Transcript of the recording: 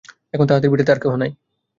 এখন তাঁহাদের ভিটাতে আর কেহ নাই।